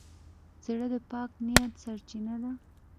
زړه د پاک نیت سرچینه ده.